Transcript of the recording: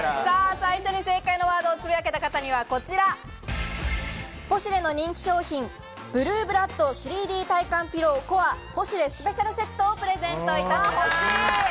最初の正解のワードをつぶやけた方には、こちらポシュレの人気商品「ブルーブラッド３Ｄ体感ピローＣＯＲＥポシュレスペシャルセット」をプレゼントいたします。